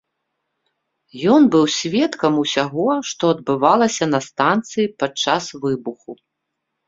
Ён быў сведкам усяго, што адбывалася на станцыі падчас выбуху.